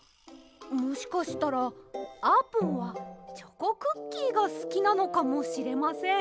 もしかしたらあーぷんはチョコクッキーがすきなのかもしれません。